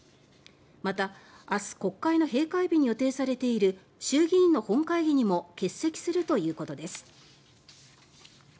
また、明日国会の閉会日に予定されている衆議院の本会議にも欠席するということです。